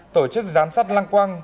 tổ chức giám sát lăng quang